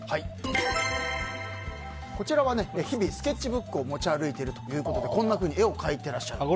こちらは日々スケッチブックを持ち歩いているということでこんなふうに絵を描いていらっしゃると。